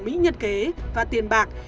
mỹ nhân kế và tiền bạc